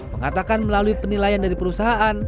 mengatakan melalui penilaian dari perusahaan